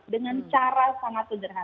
dengan cara sangat sederhana